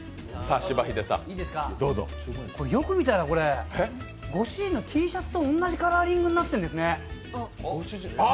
これよく見たらご主人のＴシャツのカラーと同じカラーになっているんですね！